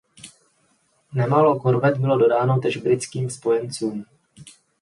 Nemálo korvet bylo dodáno též britským spojencům.